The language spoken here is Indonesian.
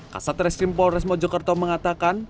kasat reskrim polres mojokerto mengatakan